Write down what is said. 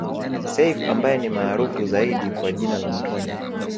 Seif ambaye ni maarufu zaidi kwa jina la Matonya